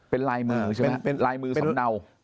เป็นลายมือใช่ไหมลายมือสำเนา